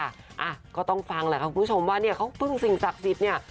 อ่ะก็ต้องฟังแหละค่ะคุณผู้ชมว่าเนี่ยเขาพึ่งสิ่งศักดิ์สิทธิ์เนี่ย